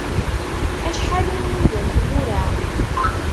Acḥal i nnuda n tmura!